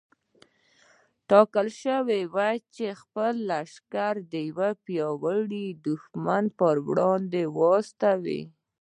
ټاکل شوې وه چې خپل لښکر د يوه پياوړي دښمن پر وړاندې واستوي.